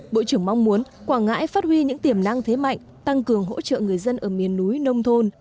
bộ trưởng mong muốn quảng ngãi phát huy những tiềm năng thế mạnh tăng cường hỗ trợ người dân ở miền núi nông thôn